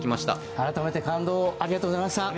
改めて、感動をありがとうございました。